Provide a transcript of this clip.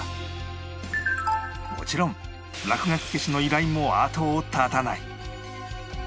もちろん落書き消しの依頼も後を絶たない